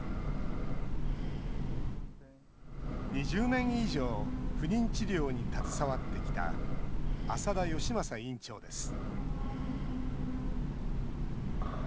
２０年以上不妊治療に携わってきた浅田義正院長です